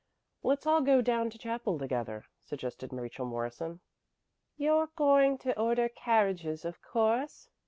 "Let's all go down to chapel together," suggested Rachel Morrison. "You're going to order carriages, of course?"